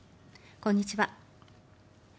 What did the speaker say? こんにちは。